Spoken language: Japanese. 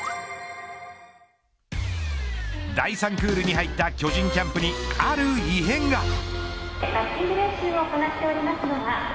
第３クールに入った巨人キャンプにある異変が。